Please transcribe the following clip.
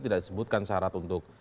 tidak disebutkan syarat untuk